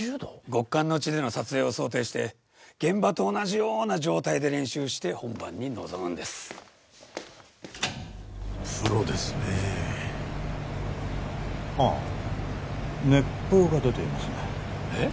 極寒の地での撮影を想定して現場と同じような状態で練習して本番に臨むんですプロですねえああ熱風が出ていますねえっ？